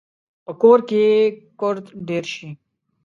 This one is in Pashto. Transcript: په کور کې کورت ډیر شي